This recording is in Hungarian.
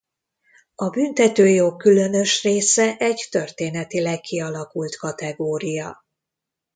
A büntetőjog különös része egy történetileg kialakult kategória.